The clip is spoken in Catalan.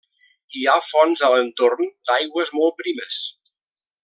Hi ha fonts a l'entorn, d'aigües molt primes.